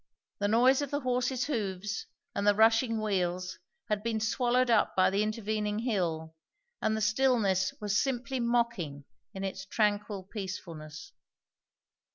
The noise of the horses' hoofs and the rushing wheels had been swallowed up by the intervening hill, and the stillness was simply mocking in its tranquil peacefulness.